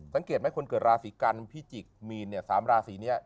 สังเกตไหมคนเกิดราศิกรรมพิจิกมีนเนี่ย